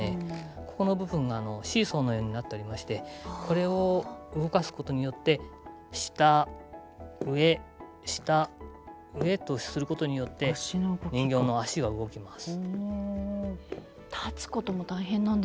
ここの部分がシーソーのようになっておりましてこれを動かすことによって「下上下上」とすることによって人形の脚が動きます。